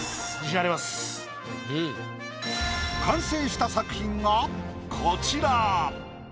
完成した作品がこちら。